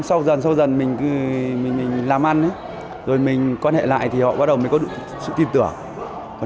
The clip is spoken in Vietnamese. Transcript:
sau dần sau dần mình làm ăn rồi mình quan hệ lại thì họ bắt đầu mới có được sự tìm tưởng